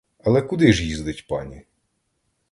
Але куди ж їздить пані?